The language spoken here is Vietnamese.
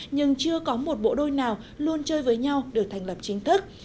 nhưng chưa có một bộ đôi nào luôn chơi với nhau được thành lập chính thức